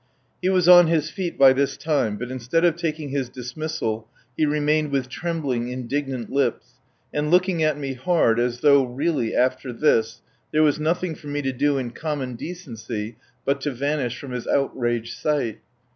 He was on his feet by this time, but instead of taking his dismissal he remained with trembling, indignant lips, and looking at me hard as though, really, after this, there was nothing for me to do in common decency but to vanish from his outraged sight.